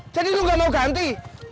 jadi lu gak mau ganti